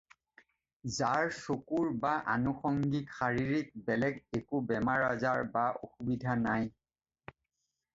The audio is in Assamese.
যাৰ চকুৰ বা আনুষংগিক শাৰীৰিক বেলেগ একো বেমাৰ আজাৰ বা অসুবিধাই নাই।